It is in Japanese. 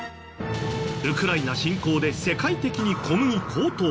ウクライナ侵攻で世界的に小麦高騰。